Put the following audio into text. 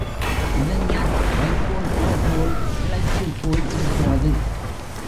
இதென்ன வைக்கோல் போர் போல் இளைத்துப்போய் இருக்கிறது!